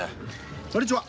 こんにちは！